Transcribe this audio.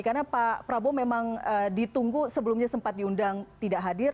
karena pak prabowo memang ditunggu sebelumnya sempat diundang tidak hadir